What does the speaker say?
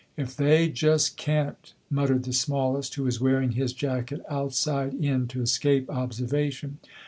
"If they just kent!" muttered the smallest, who was wearing his jacket outside in to escape observation.